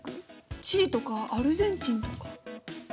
チリとかアルゼンチンとか。